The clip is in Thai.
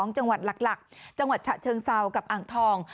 จังหวัดหลักจังหวัดฉะเชิงเซากับอ่างทอง